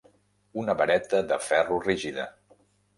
Una vareta de ferro rígida.